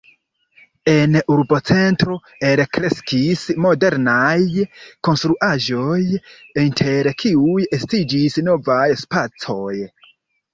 En urbocentro elkreskis modernaj konstruaĵoj, inter kiuj estiĝis novaj spacoj.